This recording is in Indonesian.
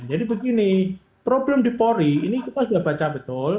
jadi begini problem di pori ini kita sudah baca betul